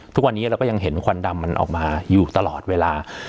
ทุกวันนี้เราก็ยังเห็นควันดำมันออกมาอยู่ตลอดเวลา